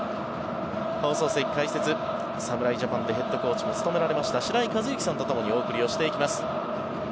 放送席解説、侍ジャパンでヘッドコーチも務められました白井一幸さんとともにお送りしていきます。